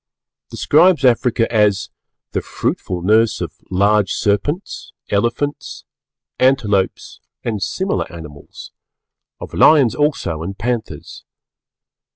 describes Africa as "the fruitful nurse of large serpents, elephants, antelopes and similar animals; of lions also and panthers."